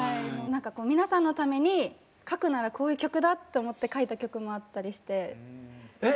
何か皆さんのために書くならこういう曲だって思って書いた曲もあったりして。